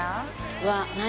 うわっ何？